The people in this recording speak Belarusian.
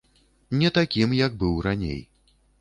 Не такім, як быў раней.